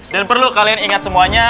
dan perlu kalian ingat semuanya